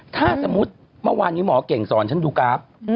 ถ้าสมมุติเมื่อวานนี้หมอเก่งสอนฉันดูกราฟ